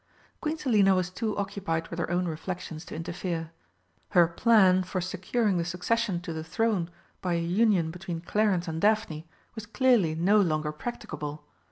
Queen Selina was too occupied with her own reflections to interfere. Her plan for securing the succession to the throne by a union between Clarence and Daphne was clearly no longer practicable.